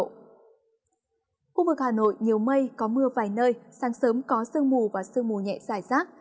khu vực hà nội nhiều mây có mưa vài nơi sáng sớm có sương mù và sương mù nhẹ dài rác